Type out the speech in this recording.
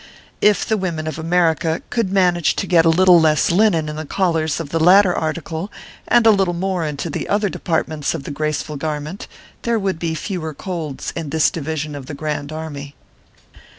If the women of America could manage to get a little less linen in the collars of the latter article, and a little more into the other departments of the graceful garment, there would be fewer colds in this division of the Grand Army.